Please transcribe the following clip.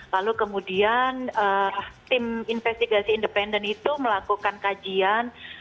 lalu kemudian tim investigasi independen itu melakukan kajian